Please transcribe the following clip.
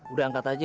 udah angkat aja